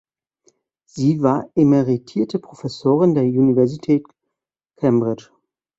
Sie war emeritierte Professorin der Universität Cambridge.